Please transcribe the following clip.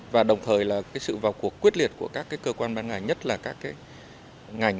và đồng thời là sự vào cuộc quyết liệt của các cơ quan ban ngài nhất là các ngành